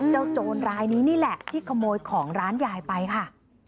โจรรายนี้นี่แหละที่ขโมยของร้านยายไปค่ะ